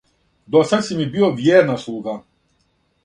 Досад си ми био вјерна слуга,